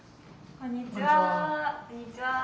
こんにちは。